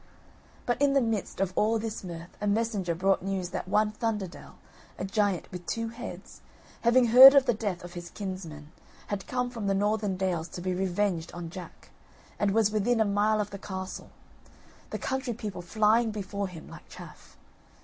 But in the midst of all this mirth a messenger brought news that one Thunderdell, a giant with two heads, having heard of the death of his kinsmen, had come from the northern dales to be revenged on Jack, and was within a mile of the castle, the country people flying before him like chaff.